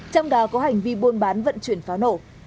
trong đó có hành vi buôn bán vận chuyển pháo nổ